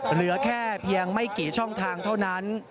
เหลือแค่เพียงไม่กี่ช่องทางเท่านั้น